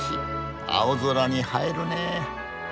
青空に映えるね。